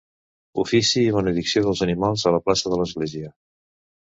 Ofici i benedicció dels animals a la plaça de l'Església.